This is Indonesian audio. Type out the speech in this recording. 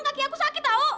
kaki aku sakit tahu